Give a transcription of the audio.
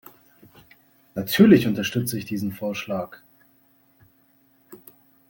Natürlich unterstütze ich diesen Vorschlag.